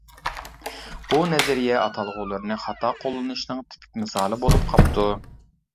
بۇ نەزەرىيە ئاتالغۇلىرىنى خاتا قوللىنىشنىڭ تىپىك مىسالى بولۇپ قاپتۇ.